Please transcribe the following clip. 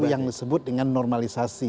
yang disebut dengan normalisasi